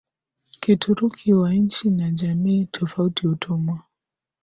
Kituruki wa nchi na jamii tofauti utumwa